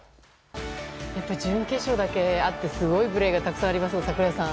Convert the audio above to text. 準決勝だけあってすごいプレーがたくさんありますね、櫻井さん。